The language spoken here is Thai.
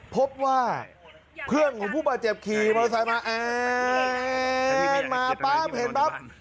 พบว่าเพื่อนของผู้ป่าเจ็บขี่เพราะรู้สึกว่าแอ๊ะมาปั๊บเห็นปั๊บ